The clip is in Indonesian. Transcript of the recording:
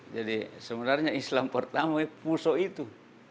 jadi sebenarnya islam pertama pusok itu